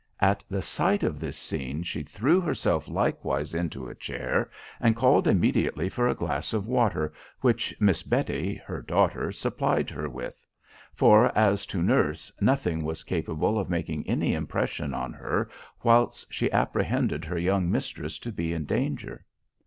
At the sight of this scene she threw herself likewise into a chair, and called immediately for a glass of water, which Miss Betty her daughter supplied her with; for, as to nurse, nothing was capable of making any impression on her whilst she apprehended her young mistress to be in danger.